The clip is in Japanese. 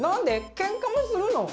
ケンカもするの？